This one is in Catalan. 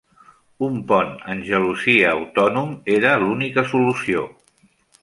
Un pont en gelosia autònom era l'única solució.